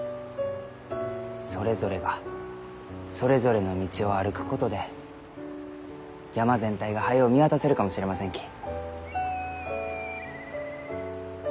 それぞれがそれぞれの道を歩くことで山全体が早う見渡せるかもしれませんき。